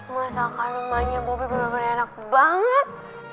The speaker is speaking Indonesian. masakan emaknya bobi bener bener enak banget